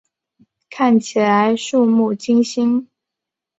看起来怵目惊心